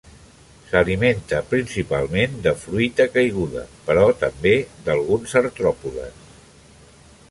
S'alimenta principalment de fruita caiguda, però també d'alguns artròpodes.